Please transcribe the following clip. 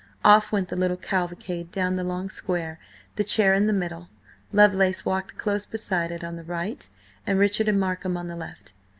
Off went the little cavalcade down the long square, the chair in the middle. Lovelace walked close beside it on the right, and Richard and Markham on the left.